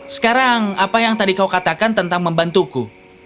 sekarang apa yang tadi kau katakan tentang membantuku